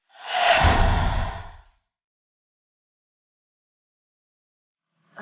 tak ada keinginan di airborne